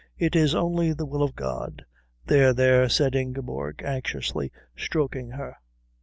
It is only the will of God." "There, there," said Ingeborg, anxiously stroking her.